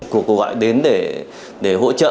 cô gọi đến để hỗ trợ